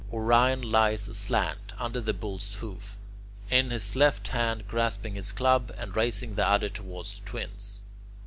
Orion lies aslant, under the Bull's hoof; in his left hand grasping his club, and raising the other toward the Twins.